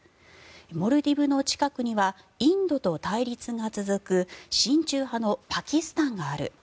モルディブの近くにはインドと対立が続く親中派のパキスタンがある。